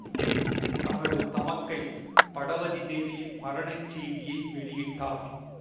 தனது தமக்கை படவதிதேவியின் மரணச் செய்தியை வெளியிட்டார்.